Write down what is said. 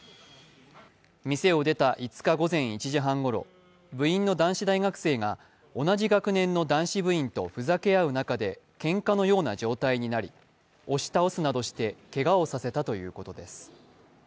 店を出た５日午前１時半ごろ、部員の男子大学生が同じ学年の男子部員とふざけ合う中でけんかのような状態になり、押し倒すなどしてけがをさせたということです。